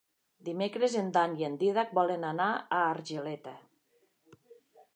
Dimecres en Dan i en Dídac volen anar a Argeleta.